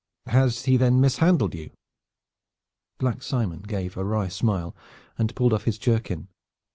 "Has he then mishandled you?" Black Simon gave a wry smile and pulled off his jerkin.